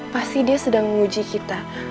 pasti dia sedang menguji kita